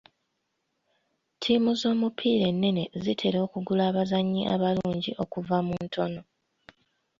Ttiimu z'omupiira ennene zitera okugula abazannyi abalungi okuva mu ntono.